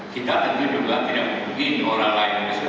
kita tentu juga tidak mungkin orang lain bisa